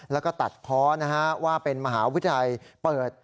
แล้วก็ตัดเพาะนะฮะว่าเป็นมหาวิทยาลัยเปิด